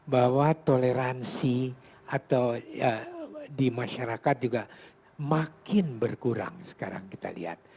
bahwa toleransi atau di masyarakat juga makin berkurang sekarang kita lihat